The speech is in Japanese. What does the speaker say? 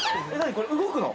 これ動くの！？